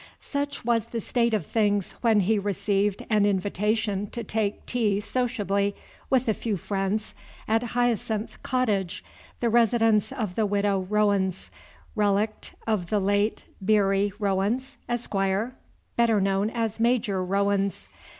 Such was the state of things when he received an invitation to take tea sociably, with a few friends, at Hyacinth Cottage, the residence of the Widow Rowens, relict of the late Beeri Rowens, Esquire, better known as Major Rowens.